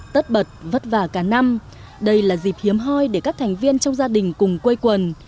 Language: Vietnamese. tất bật vất vả cả năm đây là dịp hiếm hoi để các thành viên trong gia đình cùng quây quần